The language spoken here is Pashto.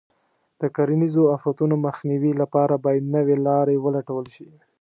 د کرنیزو آفتونو مخنیوي لپاره باید نوې لارې ولټول شي.